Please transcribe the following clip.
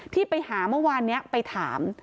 ที่ไปหาเมื่อวานนี้ไปถาม